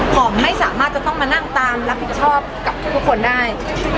หอมไม่สามารถจะต้องมานั่งตามรับผิดชอบกับทุกคนได้